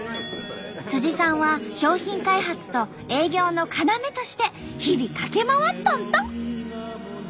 さんは商品開発と営業の要として日々駆け回っとんと！